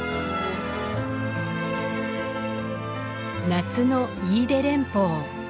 夏の飯豊連峰。